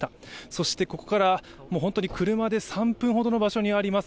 そしてここから本当に車で３分ほどの場所にあります